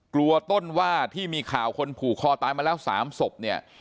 ต้นว่าที่มีข่าวคนผูกคอตายมาแล้ว๓ศพเนี่ย